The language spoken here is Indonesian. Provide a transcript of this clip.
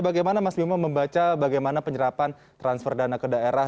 bagaimana mas bima membaca bagaimana penyerapan transfer dana ke daerah